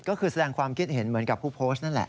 ก็คือแสดงความคิดเห็นเหมือนกับผู้โพสต์นั่นแหละ